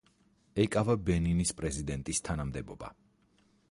ეკავა ბენინის პრეზიდენტის თანამდებობა.